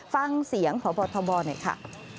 ฟังเสียงพบทบหน่อยค่ะ